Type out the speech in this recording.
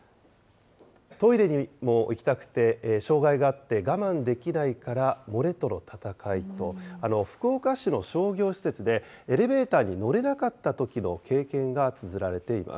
トイレにも行きたくて、障害があって我慢できないから漏れとの戦いと、福岡市の商業施設で、エレベーターに乗れなかったときの経験がつづられています。